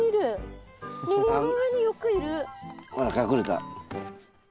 ほら隠れた。